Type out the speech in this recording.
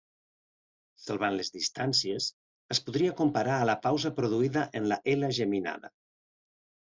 Salvant les distàncies, es podria comparar a la pausa produïda en la ela geminada.